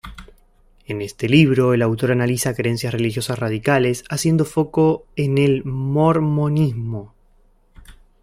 En este libro, el autor analiza creencias religiosas radicales, haciendo foco en el Mormonismo.